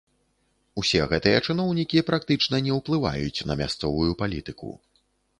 Усе гэтыя чыноўнікі практычна не ўплываюць на мясцовую палітыку.